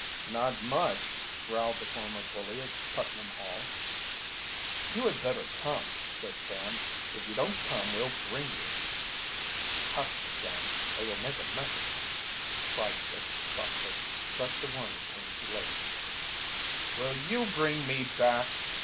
"Not much!" growled the former bully of Putnam Hall. "You had better come," said Sam. "If you don't come we'll bring you." "Hush, Sam, or you'll make a mess of things!" cried Dick softly, but the warning came too late. "Will you bring me back?"